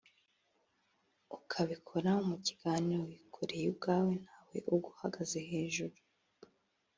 ukabikora mu kiganiro wikoreye ubwawe ntawe uguhagaze hejuru